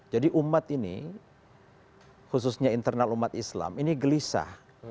jadi umat ini khususnya internal umat islam ini gelisah